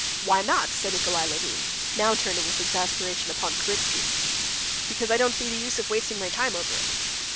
"Why not?" said Nikolay Levin, now turning with exasperation upon Kritsky. "Because I didn't see the use of wasting my time over it."